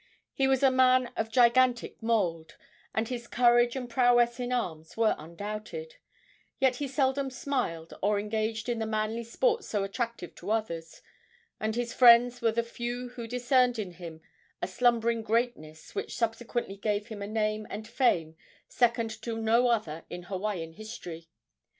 He was a man of gigantic mould, and his courage and prowess in arms were undoubted; yet he seldom smiled or engaged in the manly sports so attractive to others, and his friends were the few who discerned in him a slumbering greatness which subsequently gave him a name and fame second to no other in Hawaiian history.